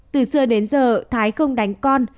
từ xưa đến giờ thái không đánh con